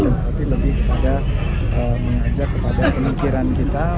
tapi lebih kepada mengajak kepada pemikiran kita